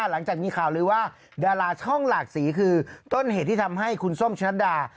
หลังจากมีข่าวลือว่าดาราช่องหลากสีคือต้นเหตุที่ทำให้คุณส้มชะนัดดา